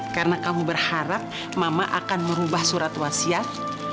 karena kamu berharap mama akan merubah surat wasiat